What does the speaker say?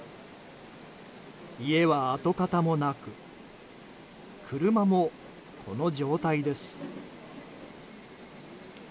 家は跡形もなく車もこの状態です。